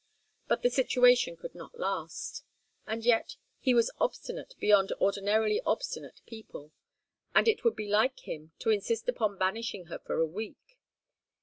But the situation could not last. And yet, he was obstinate beyond ordinarily obstinate people, and it would be like him to insist upon banishing her for a week.